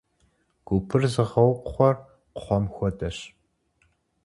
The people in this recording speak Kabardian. Гупыр зыгъэукхъуэр кхъуэм хуэдэщ.